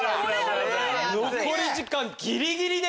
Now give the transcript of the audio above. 残り時間ギリギリで。